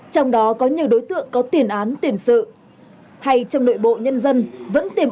trong đó có nhiều đối tượng có tiền lợi